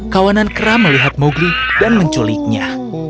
kawanan kera melihat mowgli dan menculiknya